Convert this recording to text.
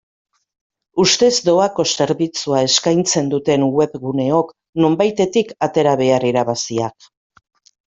Ustez doako zerbitzua eskaitzen duten webguneok nonbaitetik atera behar irabaziak.